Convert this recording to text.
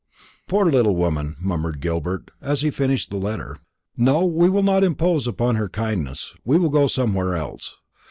"Poor little woman," murmured Gilbert, as he finished the letter. "No; we will not impose upon her kindness; we will go somewhere else.